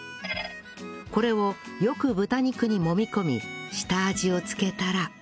これをよく豚肉にもみ込み下味を付けたら